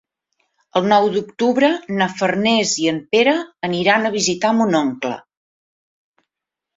El nou d'octubre na Farners i en Pere aniran a visitar mon oncle.